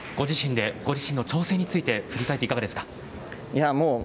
ご自身の挑戦について振り返っていかがですか？